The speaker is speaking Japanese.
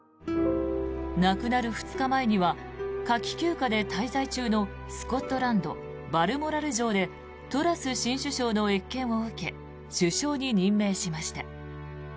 亡くなる２日前には夏季休暇で滞在中のスコットランド・バルモラル城でトラス新首相の謁見を受け首相に任命しました。